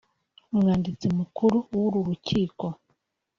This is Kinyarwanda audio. umwanditsi mukuru w’uru rukiko